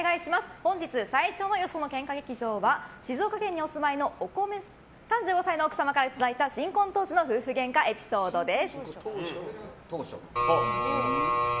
本日最初のよその喧嘩劇場は静岡県にお住まいの３５歳の奥様からいただいた新婚当初の夫婦げんかエピソードです。